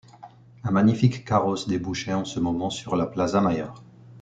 Un magnifique carrosse débouchait, en ce moment, sur la Plaza-Mayor.